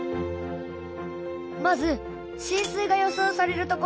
まず浸水が予想される所。